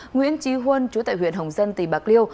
nguyễn trí huân chú tại huyện hồng dân tỉnh bạc liêu